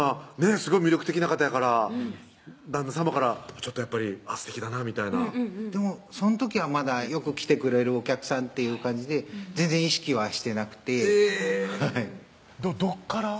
すごい魅力的な方やから旦那さまからやっぱりすてきだなみたいなでもその時はまだよく来てくれるお客さんっていう感じで全然意識はしてなくてえぇどっから？